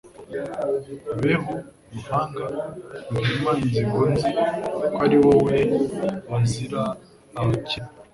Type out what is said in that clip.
Behu Ruhanga ruhima inzigo nzi ko ari wowe bazira abakeb